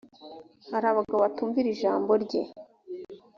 hari abagabo batumvira ijambo rye